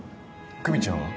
久美ちゃんは？